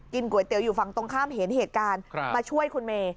ก๋วยเตี๋ยวอยู่ฝั่งตรงข้ามเห็นเหตุการณ์มาช่วยคุณเมย์